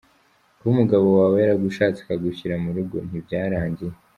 Kuba umugabo wawe yaragushatse akagushyira mu rugo ntibyarangiye.